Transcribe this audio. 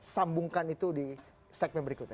sambungkan itu di segmen berikutnya